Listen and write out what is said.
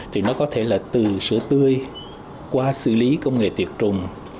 thì nó có thể là từ sữa tươi qua xử lý công nghệ tiệt trùng